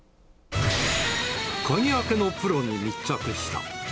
鍵開けのプロに密着した。